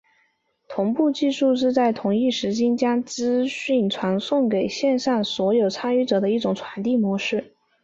同步技术是在同一时间将资讯传送给线上所有参与者的一种传递模式。